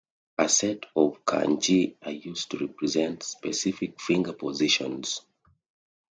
A set of kanji are used to represent specific finger positions.